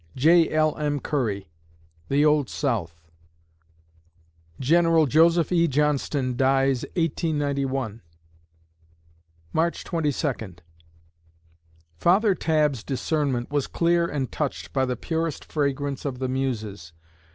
J. L. M. CURRY (The Old South) General Joseph E. Johnston dies, 1891 March Twenty Second Father Tabb's discernment was clear and touched by the purest fragrance of the muses.